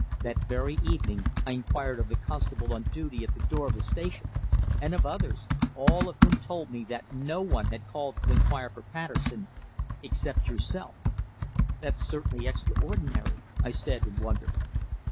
That very evening I inquired of the constable on duty at the door of the station, and of others, all of whom told me that no one had called to inquire for Patterson except yourself." "That's certainly extraordinary," I said in wonderment.